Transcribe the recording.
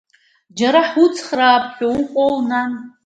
Џьара ҳуцхраап ҳәа уҟоу, нан?